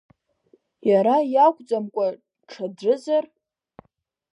Иара иакәӡамкәа ҽаӡәызар?